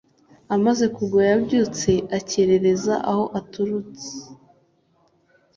amaze kugwa yabyutse akerekeza aho aturutse